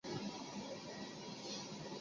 首府基法。